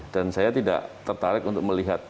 dan saya tidak tertarik untuk melihatnya